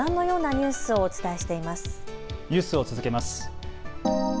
ニュースを続けます。